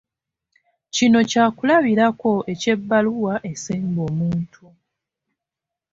Kino kyakulabirako eky'ebbaluwa esemba omuntu.